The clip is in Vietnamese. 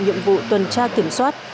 nhiệm vụ tuần tra kiểm soát